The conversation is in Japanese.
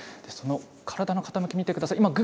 その体の傾き、見てください。